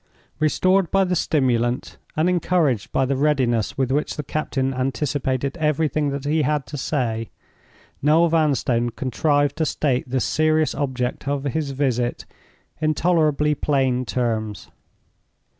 Restored by the stimulant, and encouraged by the readiness with which the captain anticipated everything that he had to say, Noel Vanstone contrived to state the serious object of his visit in tolerably plain terms.